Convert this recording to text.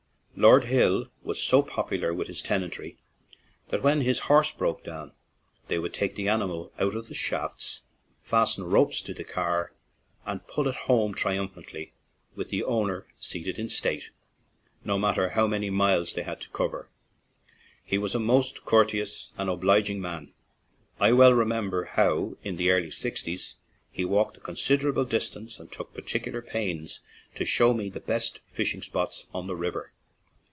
Lord Hill was so popular with his tenantry that when his horse broke down they would take the animal out of the shafts, fasten ropes to the car, and pull it home triumphantly with the owner seated in state, no matter how many miles they had to cover. He was a most cour teous and obliging man. I well remem ber how, in the early sixties, he walked a considerable distance and took particular pains to show me the best fishing spots on the river.